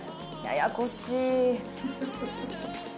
ややこしい。